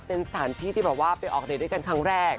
เป็นสถานที่ที่แบบว่าไปออกเดทด้วยกันครั้งแรก